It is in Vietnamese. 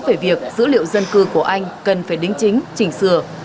về việc dữ liệu dân cư của anh cần phải đính chính chỉnh sửa